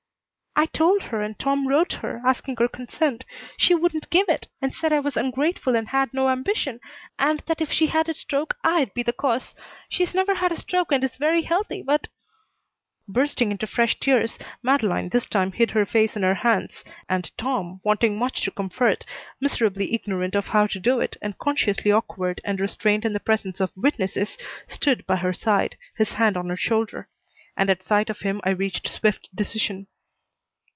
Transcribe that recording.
"I told her, and Tom wrote her, asking her consent. She wouldn't give it, and said I was ungrateful and had no ambition, and that if she had a stroke I'd be the cause. She's never had a stroke and is very healthy, but " Bursting into fresh tears, Madeleine this time hid her face in her hands, and Tom, wanting much to comfort, miserably ignorant of how to do it, and consciously awkward and restrained in the presence of witnesses, stood by her side, his hand on her shoulder, and at sight of him I reached swift decision.